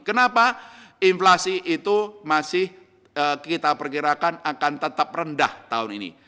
kenapa inflasi itu masih kita perkirakan akan tetap rendah tahun ini